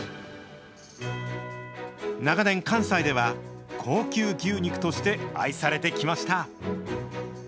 長年、関西では高級牛肉として愛されてきました。